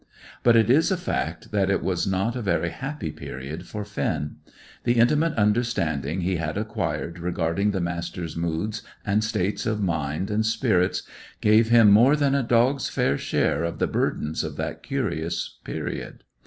But it is a fact that it was not a very happy period for Finn. The intimate understanding he had acquired regarding the Master's moods and states of mind and spirits, gave him more than a dog's fair share of the burdens of that curious period.